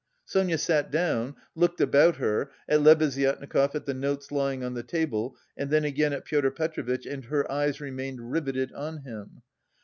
Sonia sat down, looked about her at Lebeziatnikov, at the notes lying on the table and then again at Pyotr Petrovitch and her eyes remained riveted on him.